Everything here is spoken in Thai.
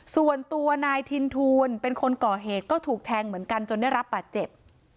ส่วนตัวนายทินทูลเป็นคนก่อเหตุก็ถูกแทงเหมือนกันจนได้รับบาดเจ็บ